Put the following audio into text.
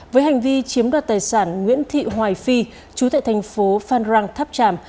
với hành vi chiếm đoạt tài sản nguyễn thị hoài phi chú tại thành phố phan rang tháp tràm